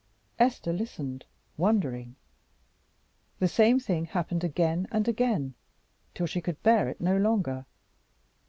Esther listened, wondering. The same thing happened again and again, till she could bear it no longer.